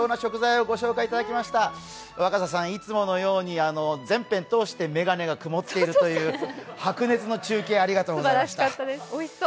若狭さん、いつものように全編通して眼鏡が曇っているという白熱の中継、ありがとうございました。